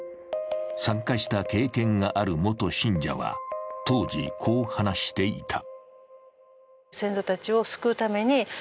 参加した経験がある元信者は、当時こう話していた。